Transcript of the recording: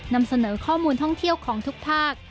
นำเสนอข้อมูลท่องเที่ยวของทุกภาค